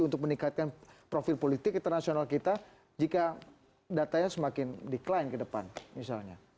untuk meningkatkan profil politik internasional kita jika datanya semakin decline ke depan misalnya